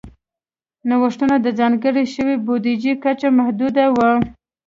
نوښتونو ته ځانګړې شوې بودیجې کچه محدوده وه.